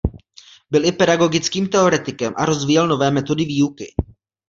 Byl i pedagogickým teoretikem a rozvíjel nové metody výuky.